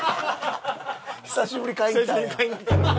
久しぶりに買いに来たんや。